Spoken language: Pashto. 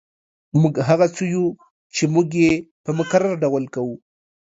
موږ هغه څه یو چې موږ یې په مکرر ډول کوو